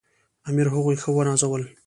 امیر هغوی ښه ونازول.